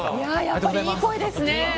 やっぱり、いい声ですね。